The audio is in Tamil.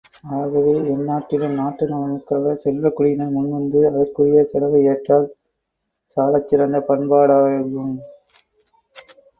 ஆகவே, எந்நாட்டிலும் நாட்டு நலனுக்காகச் செல்வக் குடியினர் முன்வந்து அதற்குரிய செலவை ஏற்றல் சாலச் சிறந்த பண்பாடாகுயம்.